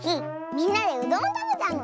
みんなでうどんをたべたの！